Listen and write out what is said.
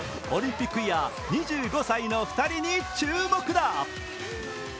オリンピックイヤー２５歳の２人に注目だ。